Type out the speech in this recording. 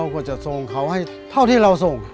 ก็จะส่งเขาให้เท่าที่เราส่ง